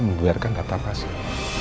mengguerkan data pasien